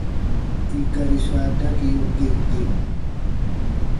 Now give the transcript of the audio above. I gari swa dakiyo gem gem.